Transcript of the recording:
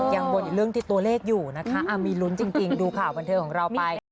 บนอีกเรื่องที่ตัวเลขอยู่นะคะมีลุ้นจริงดูข่าวบันเทิงของเราไป